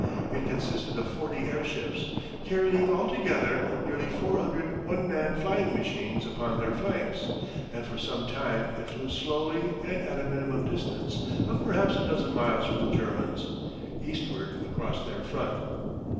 It consisted of forty airships, carrying all together nearly four hundred one man flying machines upon their flanks, and for some time it flew slowly and at a minimum distance of perhaps a dozen miles from the Germans, eastward across their front.